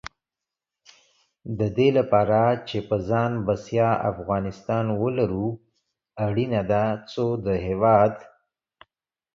د دې لپاره چې په ځان بسیا افغانستان ولرو، اړینه ده څو د هېواد